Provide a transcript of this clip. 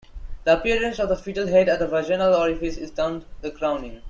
The appearance of the fetal head at the vaginal orifice is termed the "crowning".